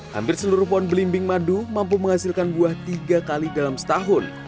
hampir seluruh pohon belimbing madu mampu menghasilkan buah tiga kali dalam setahun